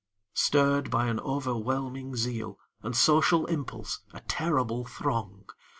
Stirr'd by an overwhelming zeal, And social impulse, a terrible throng!